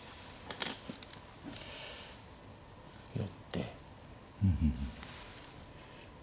寄って。